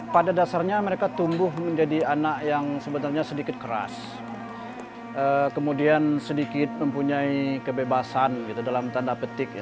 pada dasarnya mereka tumbuh menjadi anak yang sebenarnya sedikit keras kemudian sedikit mempunyai kebebasan dalam tanda petik